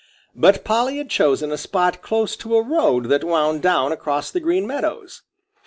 But Polly had chosen a spot close to a road that wound down across the Green Meadows.